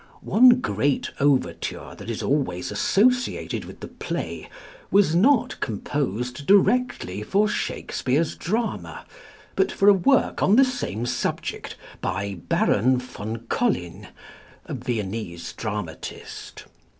One great overture that is always associated with the play was not composed directly for Shakespeare's drama but for a work on the same subject by Baron von Collin, a Viennese dramatist.